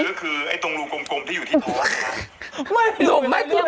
สะดือคือไอ้ตรงรูกลมที่อยู่ที่ท้อง